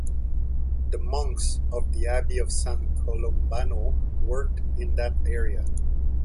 The monks of the Abby of San Colombano worked in that area.